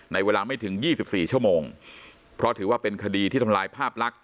เวลาไม่ถึง๒๔ชั่วโมงเพราะถือว่าเป็นคดีที่ทำลายภาพลักษณ